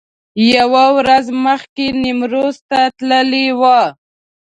یوه ورځ مخکې نیمروز ته تللي و.